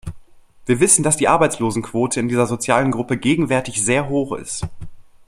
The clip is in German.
Wir wissen, dass die Arbeitslosenquote in dieser sozialen Gruppe gegenwärtig sehr hoch ist.